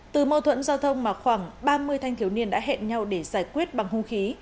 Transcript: từ mâu thuẫn giao thông mà khoảng ba mươi thanh thiếu niên đã hẹn nhau để giải quyết bằng hung khí